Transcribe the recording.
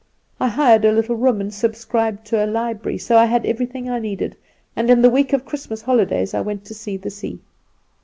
"I hired a little room, and subscribed to a library, so I had everything I needed; and in the week of Christmas holidays I went to see the sea.